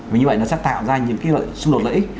và như vậy nó sẽ tạo ra những cái xung đột lợi ích